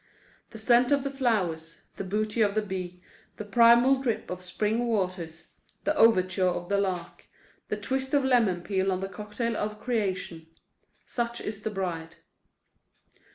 The scent of the flowers, the booty of the bee, the primal drip of spring waters, the overture of the lark, the twist of lemon peel on the cocktail of creation—such is the bride.